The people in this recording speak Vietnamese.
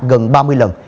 gần ba mươi lần